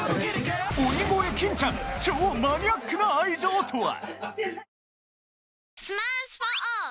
鬼越金ちゃん超マニアックな愛情とは！？